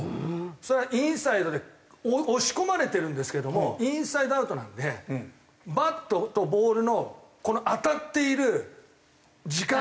それはインサイドで押し込まれてるんですけどもインサイドアウトなのでバットとボールのこの当たっている時間が長いんですよ。